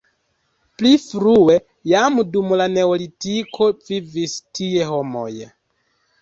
Pli frue jam dum la neolitiko vivis tie homoj.